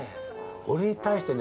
俺に対してね